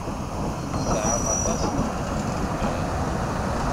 Tesɛam aṭas n tmeddukal?